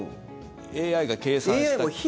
ＡＩが計算した。